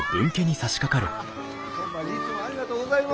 ホンマにいつもありがとうございます。